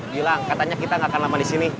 bilang katanya kita gak akan lama disini